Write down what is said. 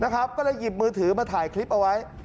ก็เลยหยิบมือถือมาถ่ายคลิปเอาไว้